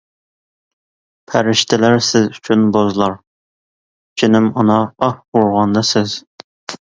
پەرىشتىلەر سىز ئۈچۈن بوزلار، جېنىم ئانا، ئاھ، ئۇرغاندا سىز.